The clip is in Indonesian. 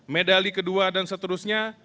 medali kedua dan seterusnya